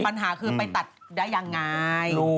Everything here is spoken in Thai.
ปัญหาคือไปตัดได้ยังไง